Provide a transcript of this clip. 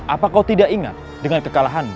apa kau tidak ingat dengan kekalahanmu